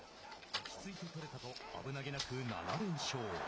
落ち着いて取れたと危なげなく７連勝。